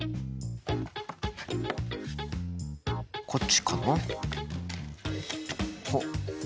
こっちかな？